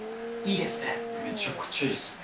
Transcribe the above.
めちゃくちゃいいっすね。